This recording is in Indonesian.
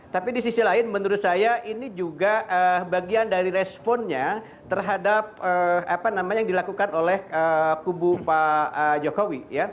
tapi di sisi lain menurut saya ini juga bagian dari responnya terhadap apa namanya yang dilakukan oleh kubu pak jokowi